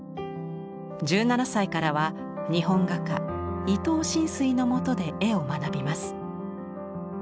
１７歳からは日本画家伊東深水のもとで絵を学びます。